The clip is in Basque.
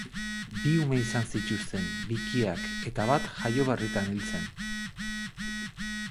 Bi ume izan zituzten, bikiak, eta bat jaio-berritan hil zen.